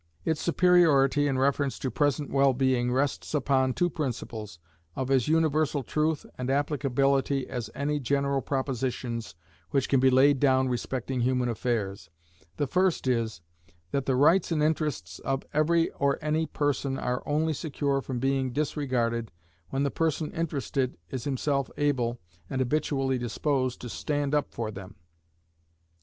Its superiority in reference to present well being rests upon two principles, of as universal truth and applicability as any general propositions which can be laid down respecting human affairs. The first is, that the rights and interests of every or any person are only secure from being disregarded when the person interested is himself able, and habitually disposed to stand up for them.